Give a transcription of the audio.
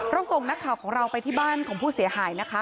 ส่งนักข่าวของเราไปที่บ้านของผู้เสียหายนะคะ